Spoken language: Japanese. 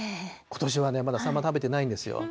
ことしはね、まだサンマ食べてないんですよ。